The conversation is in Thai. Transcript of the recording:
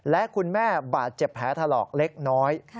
และคุณแม่บาดเจ็บแผลถลอกเล็กน้อย